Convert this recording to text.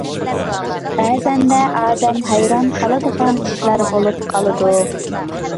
بەزەندە ئادەم ھەيران قالىدىغان ئىشلار بولۇپ قالىدىكەن.